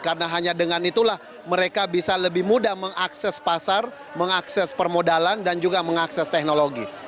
karena hanya dengan itulah mereka bisa lebih mudah mengakses pasar mengakses permodalan dan juga mengakses teknologi